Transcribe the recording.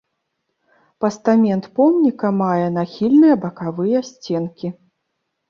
Пастамент помніка мае нахільныя бакавыя сценкі.